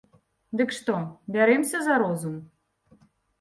Дык што, бярэмся за розум?